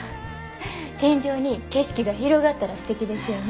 天井に景色が広がったらすてきですよね。